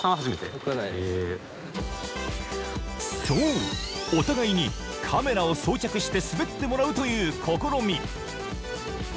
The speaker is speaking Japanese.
そう、お互いにカメラを装着して滑ってもらうという試み。